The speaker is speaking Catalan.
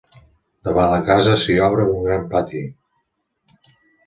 Davant la casa s'hi obra un gran pati.